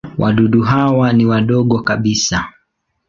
Wadudu hawa ni wadogo kabisa.